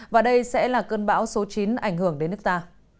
và đây sẽ là cơn bão số chín ảnh hưởng đến nước ta